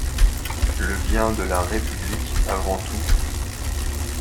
Le bien de la République avant tout.